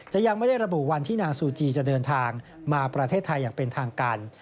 ยังไม่ได้ระบุวันที่นางซูจีจะเดินทางมาประเทศไทยอย่างเป็นทางการ